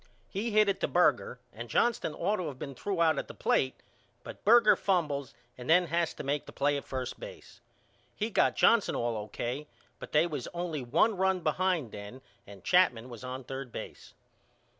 He hit it to Berger and Johnston ought to of been threw out at the plate but Berger fumbles and then has to make the play at first base. He got Jackson all O.K. but they was only one run behind then and Chapman was on third base.